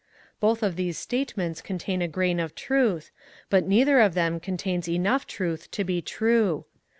Both of these statements contain a grain of truth, but neither of them contains enough truth to be true.